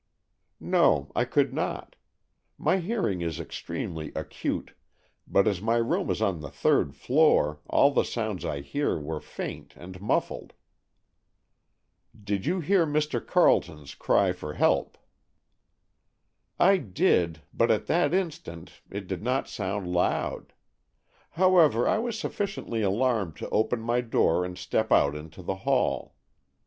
"No, I could not. My hearing is extremely acute, but as my room is on the third floor, all the sounds I heard were faint and muffled." "Did you hear Mr. Carleton's cry for help?" "I did, but at that distance it did not sound loud. However, I was sufficiently alarmed to open my door and step out into the hall.